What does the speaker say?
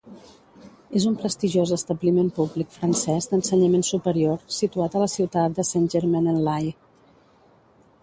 És un prestigiós establiment públic francès d'ensenyament superior situat a la ciutat de Saint-Germain-en-Laye.